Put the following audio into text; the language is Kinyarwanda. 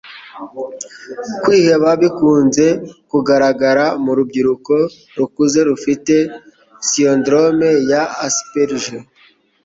Kwiheba bikunze kugaragara mu rubyiruko rukuze rufite syndrome ya Asperger